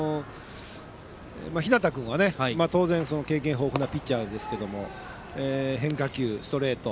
日當君は当然経験豊富なピッチャーですけども変化球、ストレート